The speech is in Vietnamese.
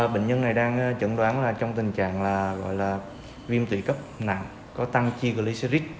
bệnh nhân này đang chẩn đoán trong tình trạng viêm tủy cấp nặng có tăng chi glycerin